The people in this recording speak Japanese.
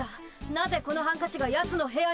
なぜこのハンカチがやつの部屋に。